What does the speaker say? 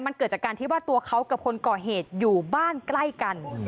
มันเกิดจากการที่ว่าตัวเขากับคนก่อเหตุอยู่บ้านใกล้กัน